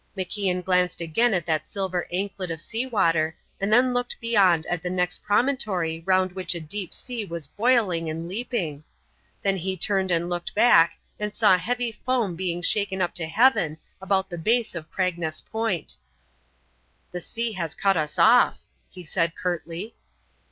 MacIan glanced again at that silver anklet of sea water and then looked beyond at the next promontory round which a deep sea was boiling and leaping. Then he turned and looked back and saw heavy foam being shaken up to heaven about the base of Cragness Point. "The sea has cut us off," he said, curtly.